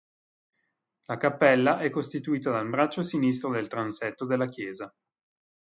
La cappella è costituita dal braccio sinistro del transetto della chiesa.